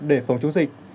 để phòng chống dịch